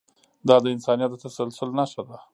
دا د انسانیت د تسلسل نښه ده.